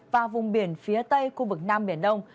và vùng biển phía tây khu vực nam biển đông